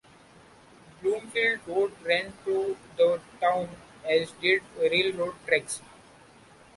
Bloomfield Road ran through the town, as did railroad tracks.